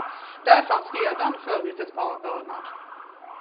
Där fanns redan förut ett par örnar.